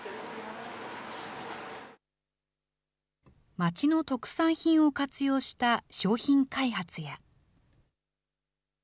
町の特産品を活用した商品開発や。